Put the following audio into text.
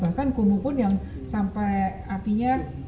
diharapkan dapat mendorong kolaborasi dan perkembangan kota kota yang berkelanjutan